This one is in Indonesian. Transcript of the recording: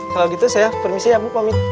kalau gitu saya permisi ya ibu pamit